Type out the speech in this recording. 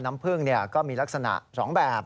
น้ำผึ้งก็มีลักษณะ๒แบบ